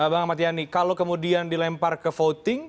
bang matiani kalau kemudian dilempar ke voting